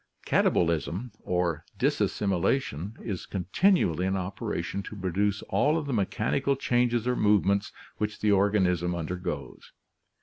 Katabolism or disassimilation is continually in operation to pro duce all of the mechanical changes or movements which the organ ism undergoes.